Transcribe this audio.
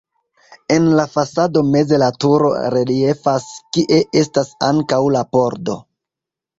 En la fasado meze la turo reliefas, kie estas ankaŭ la pordo.